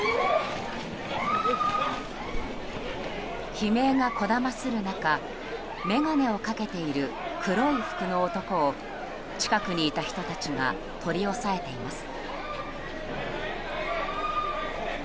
悲鳴がこだまする中眼鏡をかけている黒い服の男を近くにいた人たちが取り押さえています。